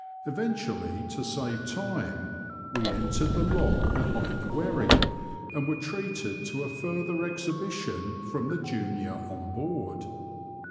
Eventually, to save time, we entered the lock behind the wherry, and were treated to a further exhibition from the junior on board.